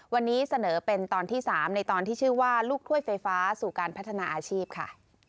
วันนี้เสนอเป็นตอนที่๓ในตอนที่ชื่อว่าลูกถ้วยไฟฟ้าสู่การพัฒนาอาชีพค่ะ